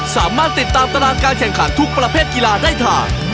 สามารถติดตามตารางการแข่งขันทุกประเภทกีฬาได้ทาง